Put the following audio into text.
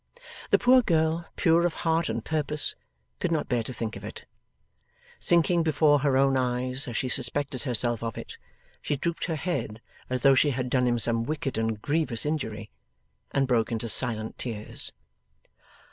The poor girl, pure of heart and purpose, could not bear to think it. Sinking before her own eyes, as she suspected herself of it, she drooped her head as though she had done him some wicked and grievous injury, and broke into silent tears.